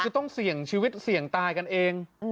คือต้องเสี่ยงชีวิตเสี่ยงตายกันเอง